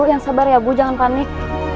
yang sabar ya bu jangan panik